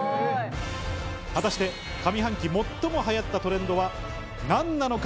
果たして上半期、最も流行ったトレンドは何なのか？